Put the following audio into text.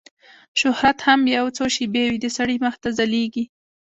شهرت هم یو څو شېبې وي د سړي مخ ته ځلیږي